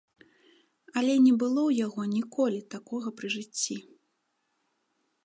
Але не было ў яго ніколі такога пры жыцці!